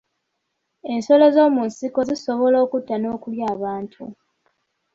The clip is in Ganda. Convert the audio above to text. Ensolo z'omu nsiko zisobola okutta n'okulya abantu.